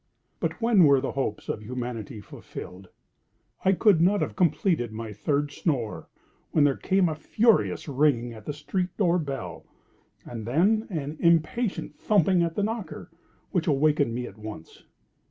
But when were the hopes of humanity fulfilled? I could not have completed my third snore when there came a furious ringing at the street door bell, and then an impatient thumping at the knocker, which awakened me at once.